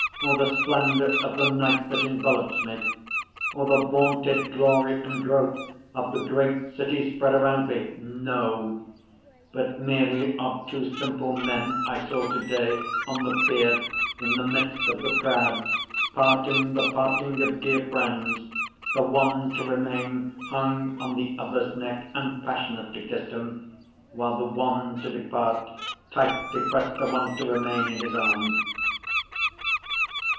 or the splendor of the night that envelops me? Or the vaunted glory and growth of the great city spread around me? no; But merely of two simple men I saw to day on the pier in the midst of the crowd, parting the parting of dear friends, The one to remain hung on the other's neck and passionately kiss'd him, While the one to depart tightly prest the one to remain in his arms.